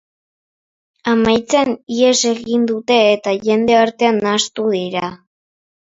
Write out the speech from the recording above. Amaitzean, ihes egin dute eta jende artean nahastu dira.